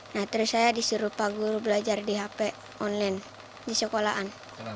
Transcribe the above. nah terus saya disuruh pak guru belajar di hp online di sekolahan